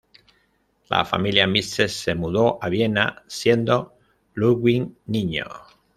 La familia Mises se mudó a Viena siendo Ludwig niño.